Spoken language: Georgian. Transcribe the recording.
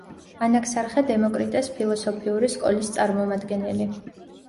ანაქსარხე დემოკრიტეს ფილოსოფიური სკოლის წარმომადგენელი.